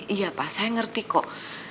iya pak saya ngerti kok